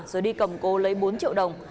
rồi đi cầm cố lấy bốn triệu đồng